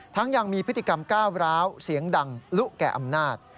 ยังมีพฤติกรรมก้าวร้าวเสียงดังลุแก่อำนาจ